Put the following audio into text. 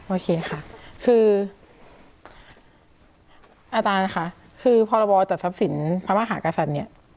โอเคค่ะคืออาจารย์ค่ะคือพรบจัดทรัพย์สินพระมหากษัตริย์เนี่ย